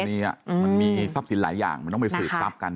มันมีทรัพย์สินหลายอย่างมันต้องไปสืบทรัพย์กัน